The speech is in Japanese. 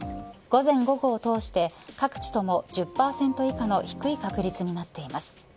午前午後を通して各地とも１０％以下の低い確率になっています。